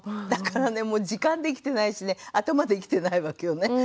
だからね時間で生きてないしね頭で生きてないわけよね。